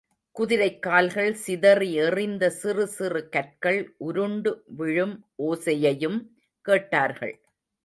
குதிரைக்கால்கள் சிதறி எறிந்த சிறுசிறு கற்கள் உருண்டு விழும் ஓசையையும் கேட்டார்கள்.